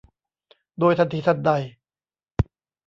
โดยทันทีทันใด